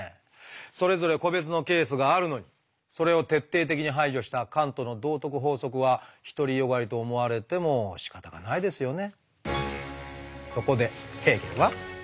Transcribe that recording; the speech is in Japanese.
それぞれ個別のケースがあるのにそれを徹底的に排除したカントの道徳法則は独り善がりと思われてもしかたがないですよね？